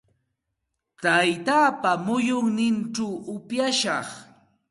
Taytaapa muyunninchaw upyashaq.